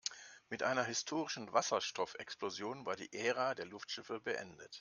Mit einer historischen Wasserstoffexplosion war die Ära der Luftschiffe beendet.